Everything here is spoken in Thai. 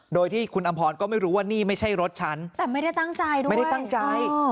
โดยที่คุณอำพรก็ไม่รู้ว่านี่ไม่ใช่รถฉันแต่ไม่ได้ตั้งใจด้วยไม่ได้ตั้งใจ